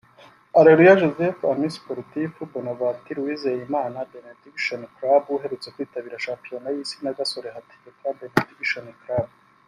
Aleluya Joseph (Amis Sportifs) Bonaventure Uwizeyimana (Benediction Club) uherutse kwitabira Shampiyona y’Isi na Gasore Hategeka (Benediction Club)